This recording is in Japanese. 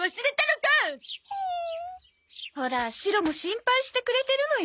ほらシロも心配してくれてるのよ。